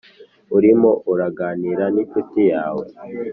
Urimo uraganira n incuti yawe